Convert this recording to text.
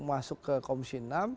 masuk ke komisi enam